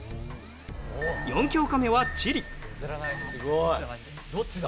４教科目は地理。